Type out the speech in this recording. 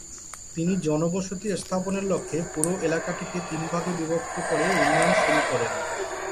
তিনি জনবসতি স্থাপনের লক্ষ্যে পুরো এলাকাটিকে তিন ভাগে বিভক্ত করে উন্নয়ন শুরু করেন।